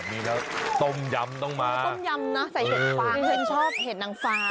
แบบนี้เขาต้มยำต้องมาต้มยำนะใส่เห็ดฟ้าเห็นชอบเห็ดนางฟ้า